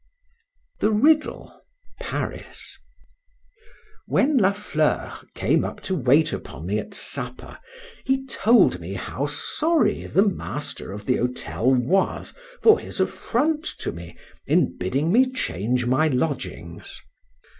THE RIDDLE. PARIS. WHEN La Fleur came up to wait upon me at supper, he told me how sorry the master of the hotel was for his affront to me in bidding me change my lodgings.